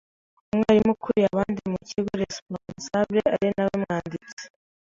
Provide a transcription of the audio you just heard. Umwarimu ukuriye abandi mu kigo (Responsable) ari nawe mwanditsi